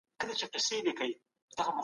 د قیامت محاسبه به ډېره دقیقه وي.